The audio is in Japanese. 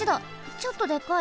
ちょっとでかい。